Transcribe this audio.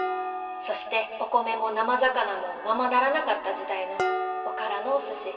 そしてお米も生魚もままならなかった時代のおからのお寿司。